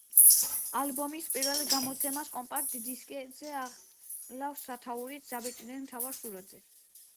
ალბომის პირველ გამოცემას კომპაქტ დისკზე ახლავს სათაურიც, დაბეჭდილი მთავარ სურათზე.